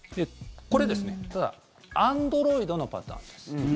これ、ただアンドロイドのパターンです。